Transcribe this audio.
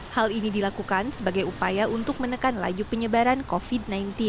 hal ini dilakukan sebagai upaya untuk menekan laju penyebaran covid sembilan belas